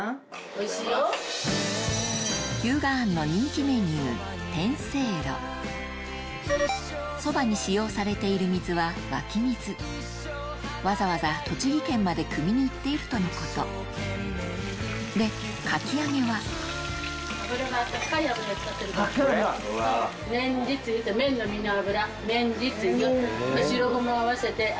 日向庵の人気メニューそばに使用されている水は湧き水わざわざ栃木県までくみに行っているとのことでかき揚げは綿の実の油。